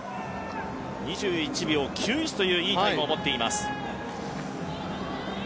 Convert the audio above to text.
２１秒９１といういいタイムを持っています。